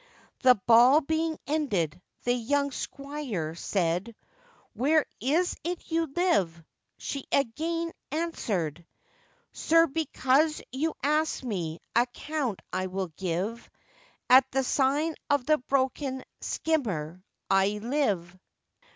The ball being ended, the young squire said, 'Where is it you live?' She again answerèd, 'Sir, because you ask me, account I will give, At the sign of the broken skimmer I live.